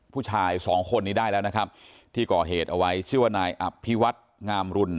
ผู้ชายสองคนนี้ได้แล้วนะครับที่ก่อเหตุเอาไว้ชื่อว่านายอภิวัตงามรุน